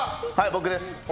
僕です。